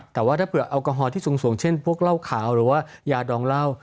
แต่ว่าถ้าเผื่อแอลกอฮอลที่สูงเช่นพวกเหล้าขาวหรือว่ายาดองเหล้า